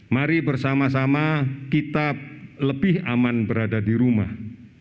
mari bersama sama kita lebih aman berada di rumah